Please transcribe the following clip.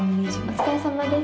お疲れさまです。